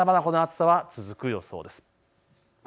まだまだこの暑さは続く予想です。